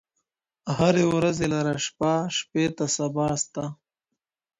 هري ورځي لره شپه، شپې ته سبا سته